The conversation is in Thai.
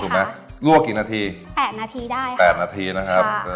ถูกไหมรั่วกี่นาทีแปดนาทีได้ค่ะแปดนาทีนะครับค่ะ